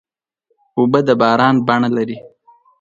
اوبه د باران بڼه لري.